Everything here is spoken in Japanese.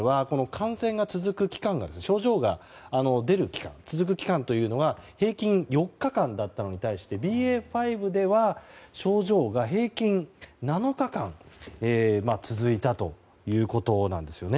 ＢＡ．１では症状が出る期間、続く期間が平均４日間だったのに対してＢＡ．５では症状が平均７日間続いたということです。